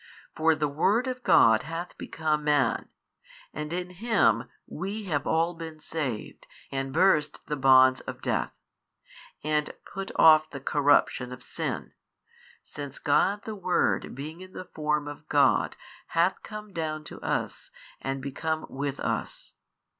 For the Word of God hath become Man, and in Him we all have been saved and burst the bonds of death, and put off the corruption of sin, since God the Word being in the Form of God hath come down to us and become with us.